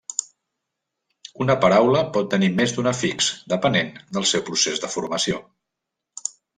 Una paraula pot tenir més d'un afix, depenent del seu procés de formació.